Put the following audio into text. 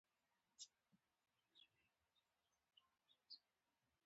د خزان رڼا هم د دوی په زړونو کې ځلېده.